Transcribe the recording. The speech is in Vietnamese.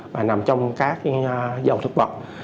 và nằm trong các dòng thực vật